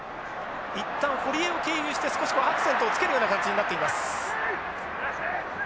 一旦堀江を経由して少しアクセントをつけるような形になっています。